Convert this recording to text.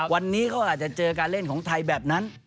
วันนี้เขาอาจจะเจอการเล่นของไทยแบบนั้น